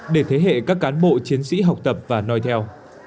để thế hệ các cán bộ chiến sĩ học tập và nói theo